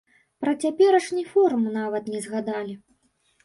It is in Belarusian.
Пра цяперашні форум нават не згадалі.